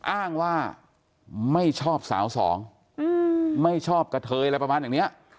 อ้างว่าไม่ชอบสาวสองไม่ชอบกระเทยอะไรประมาณอย่างนี้